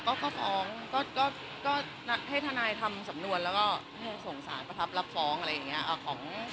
ไม่นัดเทียร์ค่ะก็ฟ้องให้ทนายทำสำนวนแล้วก็ส่งสารประทับรับฟ้องอะไรอย่างนี้